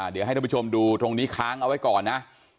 เดี๋ยวให้ท่านผู้ชมดูตรงนี้ค้างเอาไว้ก่อนนะ